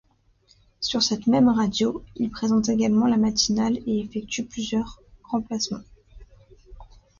Sur cette même radio, il présente également la matinale et effectue plusieurs remplacements.